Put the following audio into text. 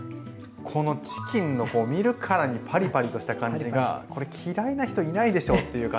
このチキンの見るからにパリパリとした感じがこれ嫌いな人いないでしょうっていう感じですよね。